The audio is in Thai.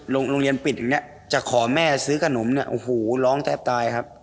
โรงเรียนปิดอย่างเงี้จะขอแม่ซื้อขนมเนี่ยโอ้โหร้องแทบตายครับ